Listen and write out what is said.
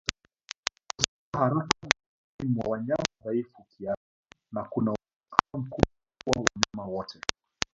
Husambaa haraka miongoni mwa wanyama wadhaifu kiafya na kuna uwezekano mkubwa kuwa wanyama wote